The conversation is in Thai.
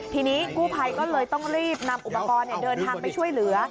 ทีนี้กู้ภัยก็เลยต้องรีบนำอุปกรณ์เดินทางไปช่วยเหลือ